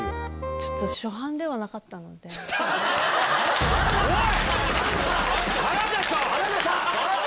ちょっと初犯ではなかったのおい！